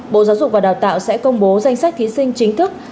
bộ giáo dục và đào tạo sẽ công bố danh sách thí sinh chính thức